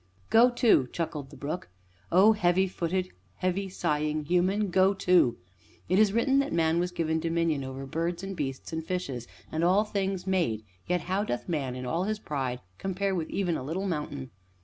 "Go to!" chuckled the brook. "Oh, heavy footed, heavy sighing Human go to! It is written that Man was given dominion over birds and beasts and fishes, and all things made, yet how doth Man, in all his pride, compare with even a little mountain?